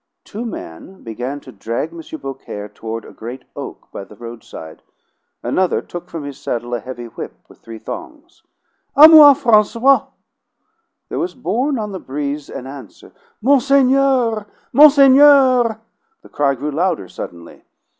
Two men began to drag M. Beaucaire toward a great oak by the roadside. Another took from his saddle a heavy whip with three thongs. "A moi, Francois!" There was borne on the breeze an answer "Monseigneur! Monseigneur!" The cry grew louder suddenly.